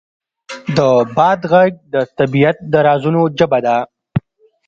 د باد غږ د طبیعت د رازونو ژبه ده.